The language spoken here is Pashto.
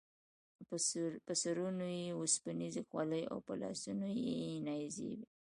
په سرونو یې اوسپنیزې خولۍ او په لاسونو کې یې نیزې وې.